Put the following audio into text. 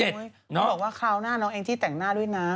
เขาบอกว่าคราวหน้าน้องแองจี้แต่งหน้าด้วยนะ